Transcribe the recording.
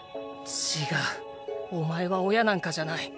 ちがうお前は親なんかじゃない。